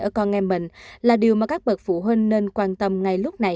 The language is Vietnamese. ở con em mình là điều mà các bậc phụ huynh nên quan tâm ngay lúc này